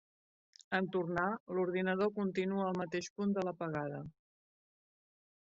En tornar, l'ordinador continua al mateix punt de l'apagada.